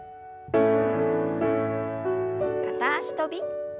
片脚跳び。